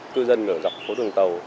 cư dân ở dọc phố đường tàu